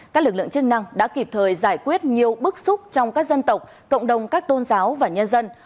các lực lượng chức năng đã kịp thời giải quyết nhiều bức xúc trong các dân tộc cộng đồng các tôn giáo và nhân dân